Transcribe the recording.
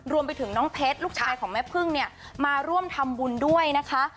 รวมไปถึงน้องเพชรลูกชายของแม่พึ่งเนี่ยมาร่วมทำบุญด้วยนะคะ